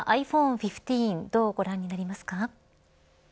１５どうご覧になりますか。